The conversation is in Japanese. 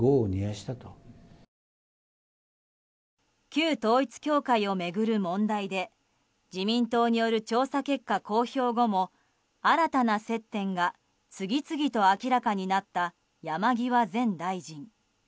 旧統一教会を巡る問題で自民党による調査結果公表後も新たな接点が次々と明らかになった山際前大臣。